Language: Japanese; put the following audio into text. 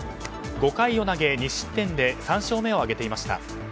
５回を投げ２失点で３勝目を挙げていました。